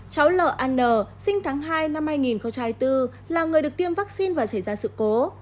cháu ln sinh tháng hai năm hai nghìn hai mươi bốn là người được tiêm vaccine và xảy ra sự cố